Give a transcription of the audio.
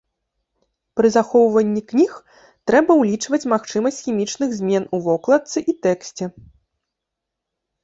Пры захоўванні кніг трэба ўлічваць магчымасць хімічных змен у вокладцы і тэксце.